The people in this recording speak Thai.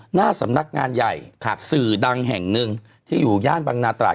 หน้าสำนักงานใหญ่สื่อดังแห่งหนึ่งที่อยู่ย่านบังนาตราด